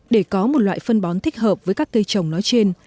để có một loại phân bón thích hợp với các cây trồng nói trên